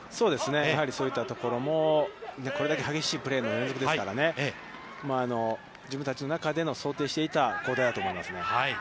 やはり、そういったところもこれだけ激しいプレーの連続ですからね、自分たちの中で想定していた交代だと思いますね。